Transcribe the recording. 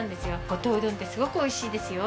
「五島うどんってすごく美味しいですよ」